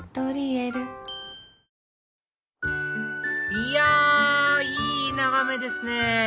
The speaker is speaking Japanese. いやいい眺めですね